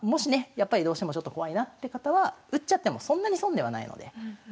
やっぱりどうしてもちょっと怖いなって方は打っちゃってもそんなに損ではないので。